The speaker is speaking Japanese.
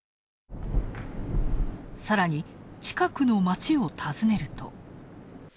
さらに、近くの街を訪ねると。